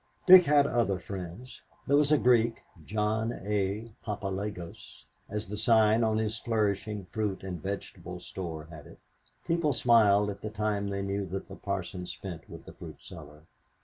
Dick had other friends. There was the Greek, John A. Papalagos, as the sign on his flourishing fruit and vegetable store had it. People smiled at the time they knew that the Parson spent with the fruit seller.